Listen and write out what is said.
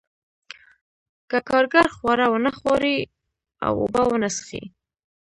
که کارګر خواړه ونه خوري او اوبه ونه څښي